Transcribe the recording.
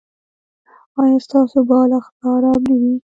ایا ستاسو بالښت به ارام نه وي؟